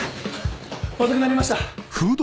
遅くなりました。